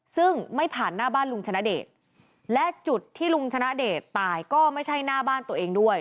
ซึ่งไม่ผ่านหน้าบ้านลุงชนะเดชและจุดที่ลุงชนะเดชตายก็ไม่ใช่หน้าบ้านตัวเองด้วย